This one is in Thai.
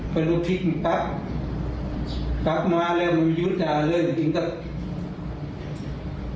พระอุธิภิกษ์มันครับครับมาแล้วมันยุดอะไรเรื่องที่นิดนึง